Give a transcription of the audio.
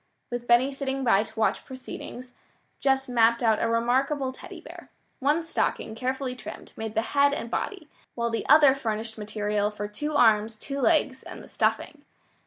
With Benny sitting by to watch proceedings, Jess mapped out a remarkable Teddy bear. One stocking, carefully trimmed, made the head and body, while the other furnished material for two arms, two legs, and the stuffing.